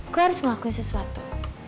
gue harus ngelakuin sesuatu